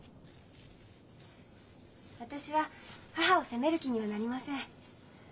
私は母を責める気にはなりません。